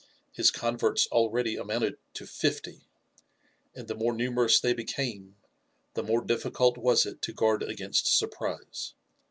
His converts already amounted to fifty ; and the more numerous they became, the more difficult was it to guard against surprise.